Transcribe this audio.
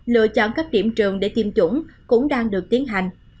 lựa chọn các điểm trường để tiêm chủng cũng đang được tiến hành